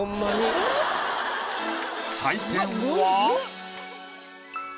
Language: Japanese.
採点は。